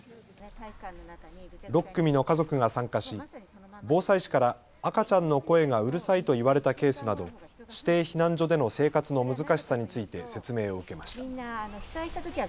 ６組の家族が参加し防災士から赤ちゃんの声がうるさいと言われたケースなど指定避難所での生活の難しさについて説明を受けました。